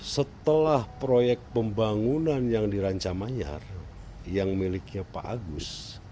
setelah proyek pembangunan yang dirancang manyar yang miliknya pak agus